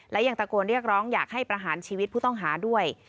และยังตะโกนเรียกร้องอยากให้ประหารชีวิตผู้ต้องหาด้วย